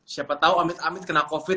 siapa tahu amit amit kena covid